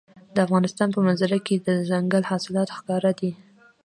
د افغانستان په منظره کې دځنګل حاصلات ښکاره دي.